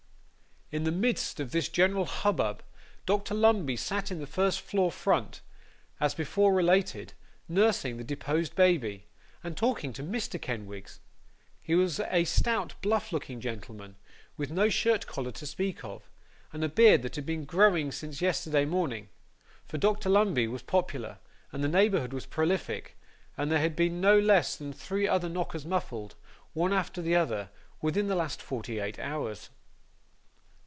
In the midst of this general hubbub, Dr Lumbey sat in the first floor front, as before related, nursing the deposed baby, and talking to Mr Kenwigs. He was a stout bluff looking gentleman, with no shirt collar to speak of, and a beard that had been growing since yesterday morning; for Dr Lumbey was popular, and the neighbourhood was prolific; and there had been no less than three other knockers muffled, one after the other within the last forty eight hours.